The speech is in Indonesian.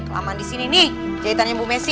laman di sini nih jahitannya bu messi